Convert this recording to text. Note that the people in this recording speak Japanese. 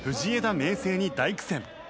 明誠に大苦戦。